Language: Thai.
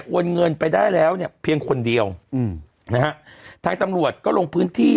โอนเงินไปได้แล้วเนี่ยเพียงคนเดียวอืมนะฮะทางตำรวจก็ลงพื้นที่